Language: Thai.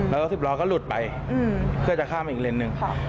แล้วก็ลูดไปเพื่อนจะข้ามอีกเลนซ์หนึ่ง